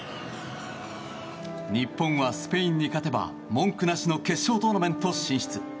日本はスペインに勝てば文句なしの決勝トーナメント進出。